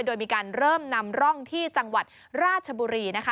โดยมีการเริ่มนำร่องที่จังหวัดราชบุรีนะคะ